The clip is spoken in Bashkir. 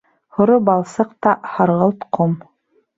Һоро балсыҡ та һарғылт ҡом.